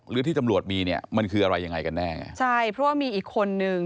หรือที่ตำรวจมีเนี่ยมันคืออะไรยังไงกันแน่ใช่เพราะว่ามีอีกคนนึง